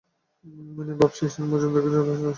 মৃন্ময়ীর বাপ ঈশান মজুমদারকে যথাকালে সংবাদ দেওয়া হইল।